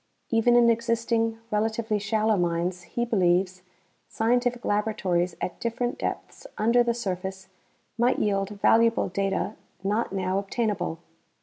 Even in existing, relatively shallow mines, he believes, scientific laboratories at different depths under the surface might yield valuable data not now obtainable.